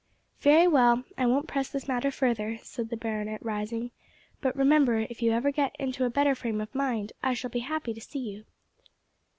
"Very well, I won't press this matter further," said the Baronet, rising; "but remember, if you ever get into a better frame of mind, I shall be happy to see you."